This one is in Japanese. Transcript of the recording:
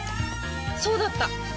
そうだった！